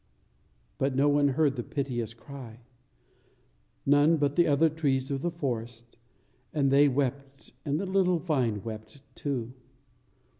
But no one heard the piteous cry, none but the other trees of the forest; and they wept, and the little vine wept too.